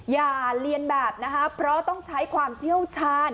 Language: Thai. อย่าเรียนแบบนะคะเพราะต้องใช้ความเชี่ยวชาญ